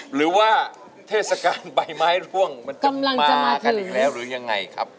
หรือว่าเทศกาลใบไม้ร่วงมันกำลังมากันอีกแล้วหรือยังไงครับ